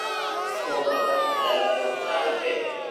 تو او ڀگت سمايو ني ھڻاوي ڪي